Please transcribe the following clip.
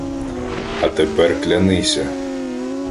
— А тепер клянися.